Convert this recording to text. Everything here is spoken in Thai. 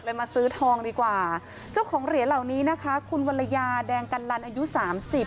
มาซื้อทองดีกว่าเจ้าของเหรียญเหล่านี้นะคะคุณวรรยาแดงกันลันอายุสามสิบ